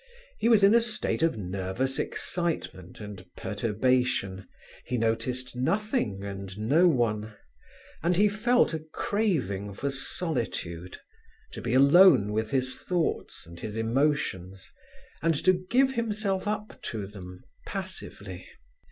He was in a state of nervous excitement and perturbation; he noticed nothing and no one; and he felt a craving for solitude, to be alone with his thoughts and his emotions, and to give himself up to them passively.